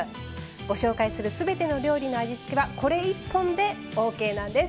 ご紹介する全ての料理の味付けはこれ１本でオーケーなんです。